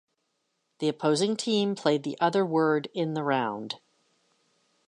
The opposing team played the other word in the round.